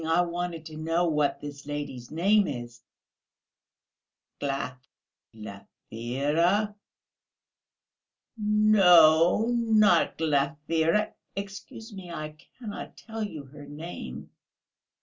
I wanted to know what this lady's name is." "Glaf...." "Glafira?" "No, not Glafira.... Excuse me, I cannot tell you her name."